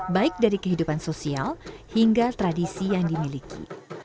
baik dari kehidupan sosial hingga tradisi yang dimiliki